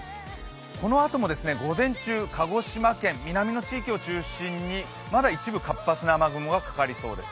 このあとも午前中、鹿児島県南の地域を中心にまだ一部、活発な雨雲がかかります